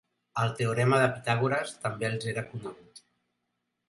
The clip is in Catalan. El teorema de Pitàgores també els era conegut.